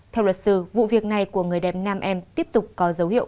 theo luật sư vụ việc này của người đẹp nam em tiếp tục có dấu hiệu